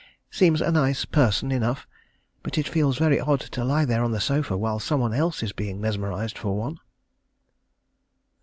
Seems a nice person enough; but it feels very odd to lie there on the sofa while some one else is being mesmerised for one.